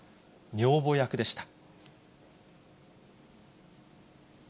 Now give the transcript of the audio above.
女房役でした。